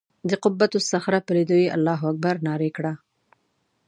د قبة الصخره په لیدو یې الله اکبر نارې کړه.